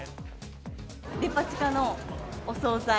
デパ地下のお総菜。